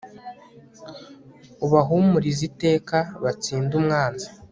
ubahumurize iteka, batsinde umwanzi